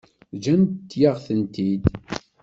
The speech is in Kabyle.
Ǧǧant-yaɣ-tent-id.